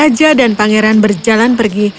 raja dan pangeran berjalan pergi